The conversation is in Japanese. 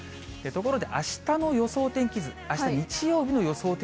ところで、あしたの予想天気図、あした日曜日の予想